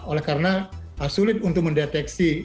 oleh karena sulit untuk mendeteksi